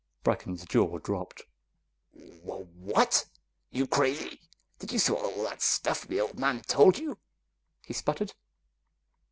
Brecken's jaw dropped. "Wh wh what? You crazy? Did you swallow all that stuff the old man told you?" he sputtered.